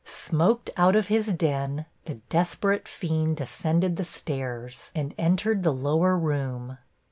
Smoked out of his den, the desperate fiend descended the stairs and entered the lower room.